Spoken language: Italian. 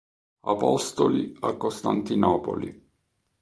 Apostoli a Costantinopoli.